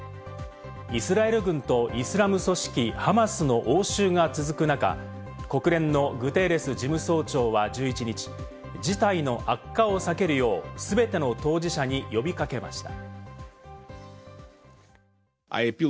イスラエル軍とイスラム組織ハマスの応酬が続く中、国連のグテーレス事務総長は１１日、事態の悪化を避けるよう、全ての当事者に呼び掛けました。